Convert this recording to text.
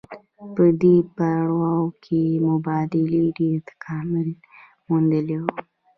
په دې پړاو کې مبادلې ډېر تکامل موندلی وو